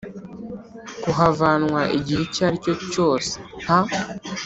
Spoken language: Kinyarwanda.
kuhavanwa igihe icyo aricyo cyose nta